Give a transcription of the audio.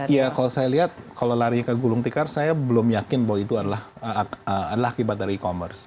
ya kalau saya lihat kalau lari ke gulung tikar saya belum yakin bahwa itu adalah akibat dari e commerce